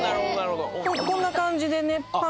こんな感じでねパンツ。